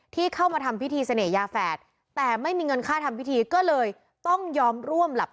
ที่เข้ามาทำพิธีเสน่หยาแฝดแต่ไม่มีเงินค่าทำพิธีก็เลยต้องยอมร่วมหลับ